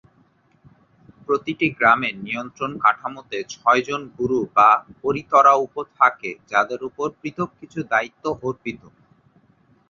প্রতিটি গ্রামের নিয়ন্ত্রণ কাঠামোতে ছয়জন গুরু বা অরি-তরাউপ থাকে; যাদের উপর পৃথক কিছু দায়িত্ব অর্পিত।